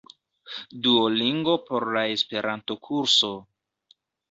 Duolingo por la Esperanto-kurso